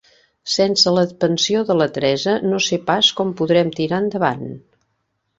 Sense la pensió de la Teresa no sé pas com podrem tirar endavant.